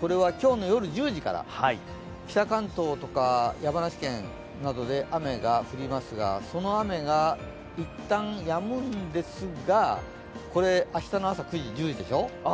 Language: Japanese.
これは今日の夜１０時から北関東とか山梨県などで雨が降りますが、その雨が一旦やむんですが、これ、明日の朝９時、１０時でしょう。